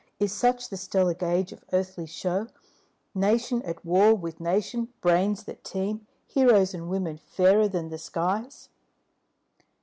Is such the stellar gauge of earthly show, Nation at war with nation, brains that teem, Heroes, and women fairer than the skies?